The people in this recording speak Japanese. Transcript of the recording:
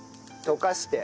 溶かして。